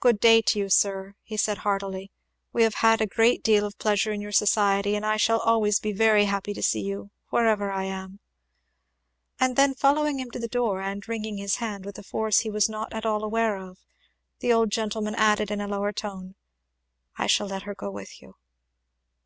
"Good day to you, sir!" he said heartily. "We have had a great deal of pleasure in your society, and I shall always be very happy to see you wherever I am." And then following him to the door and wringing his hand with a force he was not at all aware of, the old gentleman added in a lower tone, "I shall let her go with you!"